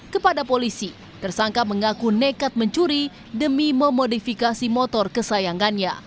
kepada polisi tersangka mengaku nekat mencuri demi memodifikasi motor kesayangannya